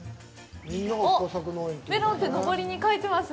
あっ、メロンってのぼりに書いてます。